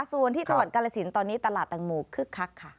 ส่วนที่จังหวัดกาลสินตอนนี้ตลาดแตงโมคึกคักค่ะ